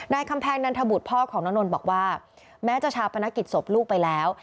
คำแพงนันทบุตรพ่อของน้องนนท์บอกว่าแม้จะชาปนกิจศพลูกไปแล้ว